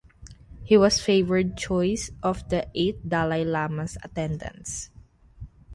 He was the favored choice of the Eighth Dalai Lama's attendants.